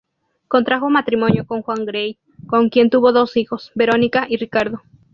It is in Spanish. Contrajo matrimonio con Juan Gray, con quien tuvo dos hijos, Verónica y Ricardo.